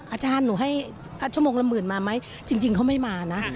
อาจารย์หนูให้ชั่วโมงละหมื่นมาไหมจริงเขาไม่มานะ